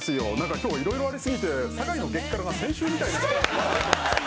今日はいろいろありすぎて酒井の激辛が先週みたい。